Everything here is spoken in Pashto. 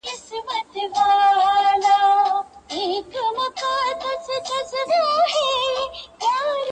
نه پوهېږي چي چاره پوري حيران دي!.